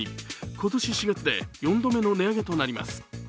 今年４月で４度目の値上げとなります。